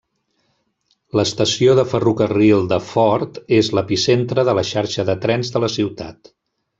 L'estació de ferrocarril de Fort és l'epicentre de la xarxa de trens de la ciutat.